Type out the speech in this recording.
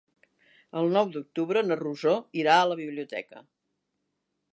El nou d'octubre na Rosó irà a la biblioteca.